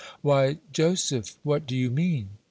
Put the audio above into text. "Why, Joseph, what do you mean?"